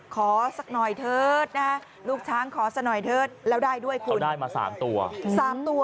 สักหน่อยเถิดนะฮะลูกช้างขอสักหน่อยเถิดแล้วได้ด้วยคุณได้มา๓ตัว๓ตัว